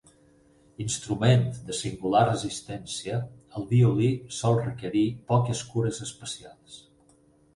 Instrument de singular resistència, el violí sol requerir poques cures especials.